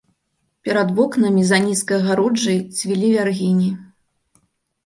Перад вокнамі, за нізкай агароджай, цвілі вяргіні.